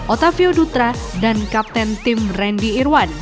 otavio dutra dan kapten tim randy irwan